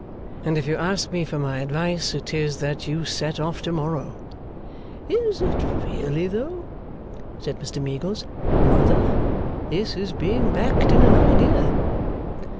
And if you ask me for my advice, it is that you set off to morrow.' 'Is it really, though?' said Mr Meagles. 'Mother, this is being backed in an idea!